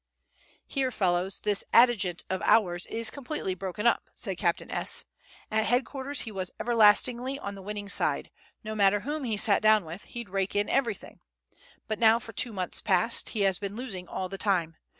"Here, fellows, this adjutant of ours is completely broken up," said Captain S. "At headquarters he was everlastingly on the winning side; no matter whom he sat down with, he'd rake in everything: but now for two months past he has been losing all the time.